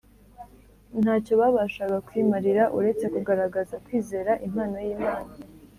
ntacyo bo babashaga kwimarira uretse kugaragaza kwizera Impano y’Imana